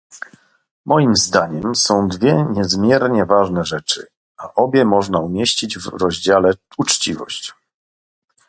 Moim zdaniem są dwie niezmiernie ważne rzeczy, a obie można umieścić w rozdziale "uczciwość"